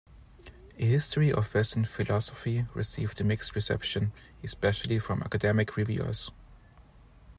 "A History of Western Philosophy" received a mixed reception, especially from academic reviewers.